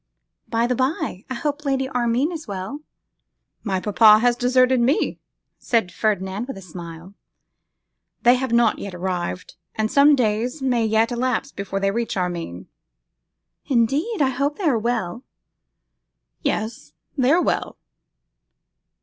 By the bye, I hope Lady Armine is well?' 'My papa has deserted me,' said Ferdinand with a smile. 'They have not yet arrived, and some days may yet elapse before they reach Armine.' 'Indeed! I hope they are well.' 'Yes; they are well.